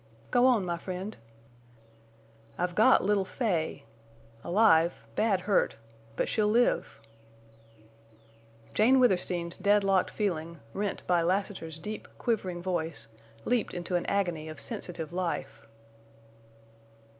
"Go on, my friend." "I've got little Fay! Alive—bad hurt—but she'll live!" Jane Withersteen's dead locked feeling, rent by Lassiter's deep, quivering voice, leaped into an agony of sensitive life.